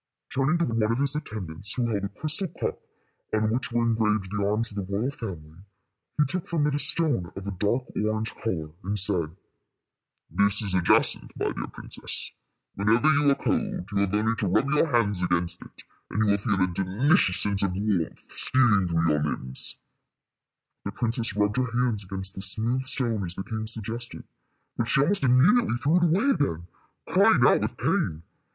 Turning to one of his attendants, who held a crystal cup on which were engraved the arms of the royal family, he took from it a stone of a dark orange color, and said, "This is a jacinth, my dear princess. Whenever you are cold, you have only to rub your hands against it, and you will feel a delicious sense of warmth stealing through your limbs." The princess rubbed her hands against the smooth stone as the king suggested; but she almost immediately threw it away again, crying out with pain.